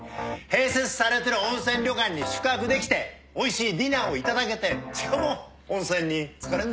併設されてる温泉旅館に宿泊できておいしいディナーを頂けてしかも温泉に漬かれんだよ。